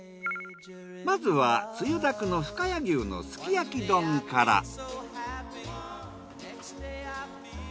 まずはつゆだくの深谷牛のすき焼き丼から。